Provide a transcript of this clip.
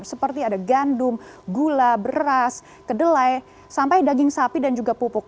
seperti ada gandum gula beras kedelai sampai daging sapi dan juga pupuk